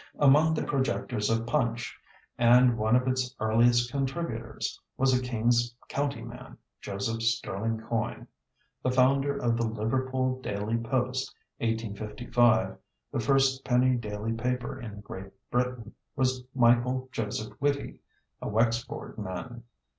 Among the projectors of Punch, and one of its earliest contributors, was a King's county man, Joseph Sterling Coyne. The founder of the Liverpool Daily Post (1855), the first penny daily paper in Great Britain, was Michael Joseph Whitty, a Wexford man.